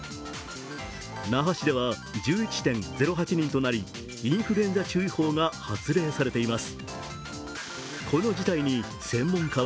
那覇市では１１．０８人となり、インフルエンザ注意報が発令されています。